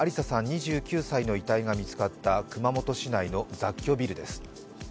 ２９歳の遺体が見つかった熊本市内の雑居ビルです。